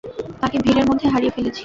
তাকে ভিড়ের মধ্যে হারিয়ে ফেলেছি।